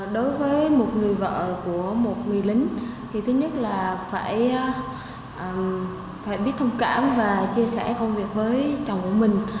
đối với một người vợ của một người lính thì thứ nhất là phải biết thông cảm và chia sẻ công việc với chồng của mình